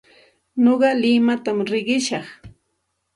Nuqa limatam riqishaq.